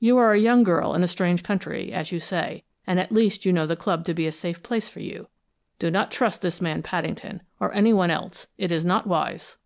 You are a young girl in a strange country, as you say, and at least you know the club to be a safe place for you. Do not trust this man Paddington, or anyone else; it is not wise."